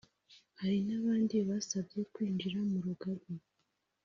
Hari n’abandi basabye kwinjira mu rugaga